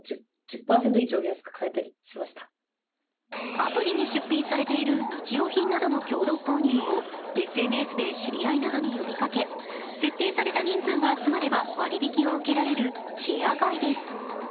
アプリに出品されている日用品などの共同購入をＳＮＳで知り合いなどに呼びかけ設定された人数が集まれば割引を受けられるシェア買いです。